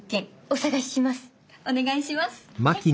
お願いします。